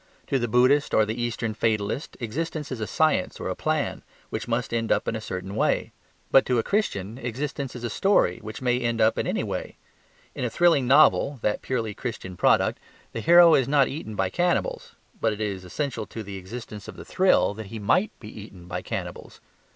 To the Buddhist or the eastern fatalist existence is a science or a plan, which must end up in a certain way. But to a Christian existence is a STORY, which may end up in any way. In a thrilling novel (that purely Christian product) the hero is not eaten by cannibals; but it is essential to the existence of the thrill that he MIGHT be eaten by cannibals.